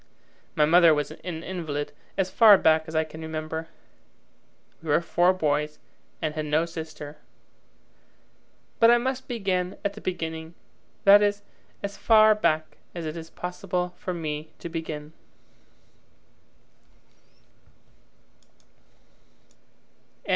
My mother was an invalid as far back as I can remember. We were four boys, and had no sister. But I must begin at the beginning, that is, as far back as it is possible for me to begin.